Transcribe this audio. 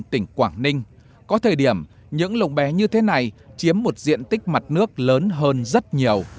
tỉnh quảng ninh có thời điểm những lồng bè như thế này chiếm một diện tích mặt nước lớn hơn rất nhiều